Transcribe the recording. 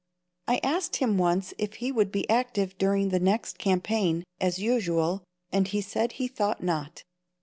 I asked him once if he would be active during the next campaign, as usual, and he said he thought not.